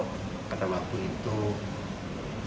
kita harus mencari penyelamatkan